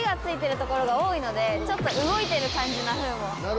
のでちょっと動いてる感じなふうも。